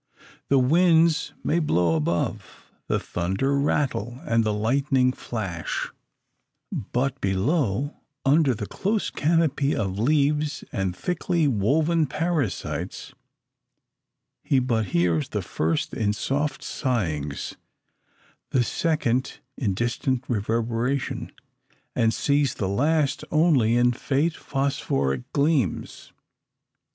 The winds may blow above, the thunder rattle, and the lightning flash; but below, under the close canopy of leaves and thickly woven parasites, he but hears the first in soft sighings, the second in distant reverberation, and sees the last only in faint phosphoric gleams.